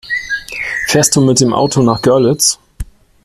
Fährst du mit dem Auto nach Görlitz?